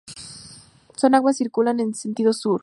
Sus aguas circulan en sentido sur.